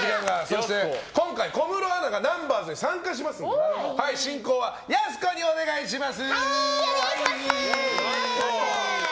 今回、小室アナがナンバーズに参加しますので進行は、やす子にお願いします。